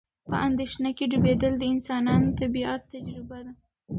په اندېښنه کې ډوبېدل د انسانانو طبیعي تجربه ده.